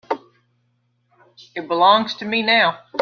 It belongs to me now.